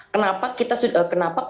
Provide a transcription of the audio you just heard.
kenapa koalisi yang berpengaruh